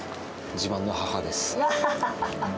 自慢の母です。